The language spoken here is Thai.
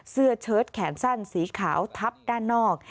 เชิดแขนสั้นสีขาวทับด้านนอก